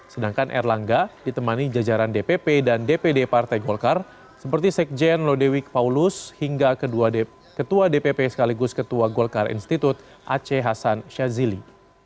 sedangkan erlangga ditemani jajaran dpp dan dpd partai golkar seperti sekjen lodewi kpaulus hingga ketua dpp sekaligus ketua golkar institute aceh hasan syazili